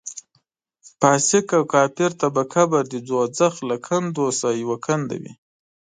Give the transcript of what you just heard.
فاسق او کافر ته به قبر د دوزخ له کندو څخه یوه کنده وي.